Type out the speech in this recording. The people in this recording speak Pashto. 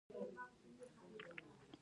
د چین نرم ځواک مخ په زیاتیدو دی.